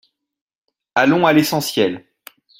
Allons à l’essentiel.